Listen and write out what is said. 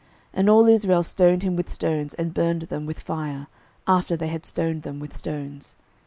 And all Israel stoned him with stones, and burned them with fire, after they had stoned them with stones.